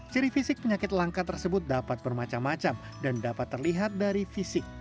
ciri fisik penyakit langka tersebut dapat bermacam macam dan dapat terlihat dari fisik